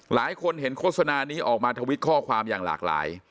หลายคนเห็นโฆษณานี้ออกมาทวิตข้อความอย่างหลากหลาย